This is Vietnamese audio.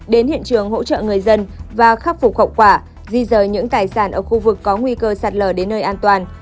đến hiện trường hỗ trợ người dân và khắc phục khẩu quả di rời những tài sản ở khu vực có nguy cơ sạt lở đến nơi an toàn